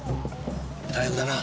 大役だな。